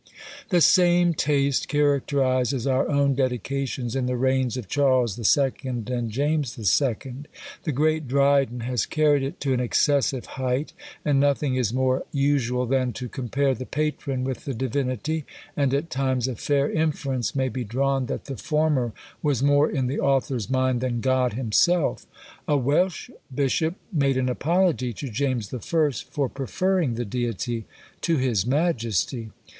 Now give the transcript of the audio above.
The same taste characterises our own dedications in the reigns of Charles II. and James II. The great Dryden has carried it to an excessive height; and nothing is more usual than to compare the patron with the Divinity and at times a fair inference may be drawn that the former was more in the author's mind than God himself! A Welsh bishop made an apology to James I. for preferring the Deity to his Majesty!